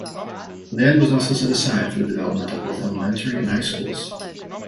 Land was also set aside for the development of both elementary and high schools.